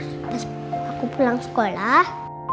setelah aku pulang sekolah